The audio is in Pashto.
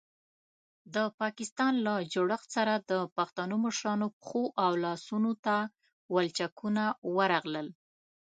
د پاکستان له جوړښت سره د پښتنو مشرانو پښو او لاسونو ته ولچکونه ورغلل.